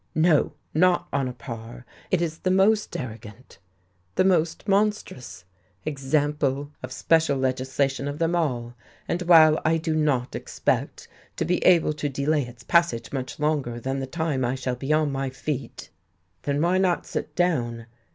No, not on a par. It is the most arrogant, the most monstrous example of special legislation of them all. And while I do not expect to be able to delay its passage much longer than the time I shall be on my feet " "Then why not sit down?"